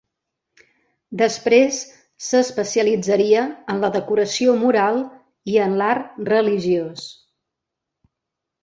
Després s'especialitzaria en la decoració mural i en l'art religiós.